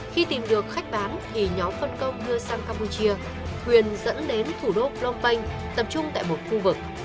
khi tìm được khách bán thì nhóm phân công đưa sang campuchia huyền dẫn đến thủ đô phnom penh tập trung tại một khu vực